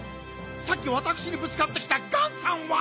さっきわたくしにぶつかってきたガンさんは？